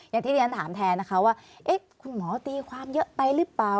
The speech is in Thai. อย่างที่เรียนถามแทนนะคะว่าคุณหมอตีความเยอะไปหรือเปล่า